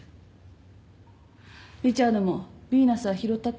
リチャードもビーナスは拾ったって言いなよ。